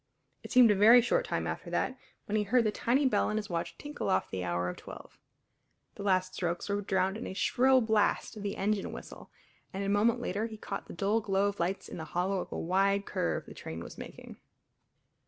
It seemed a very short time after that when he heard the tiny bell in his watch tinkle off the hour of twelve. The last strokes were drowned in a shrill blast of the engine whistle, and a moment later he caught the dull glow of lights in the hollow of a wide curve the train was making.